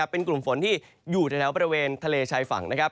เป็นกลุ่มฝนที่อยู่แถวบริเวณทะเลชายฝั่งนะครับ